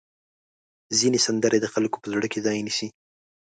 ځینې سندرې د خلکو په زړه کې ځای نیسي.